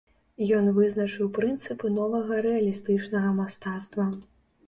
Ён вызначыў прынцыпы новага рэалістычнага мастацтва.